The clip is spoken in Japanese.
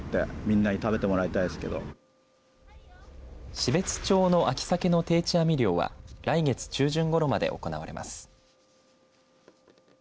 標津町の秋サケの定置網漁は来月中旬ごろまで行われます。